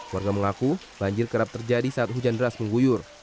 warga mengaku banjir kerap terjadi saat hujan deras mengguyur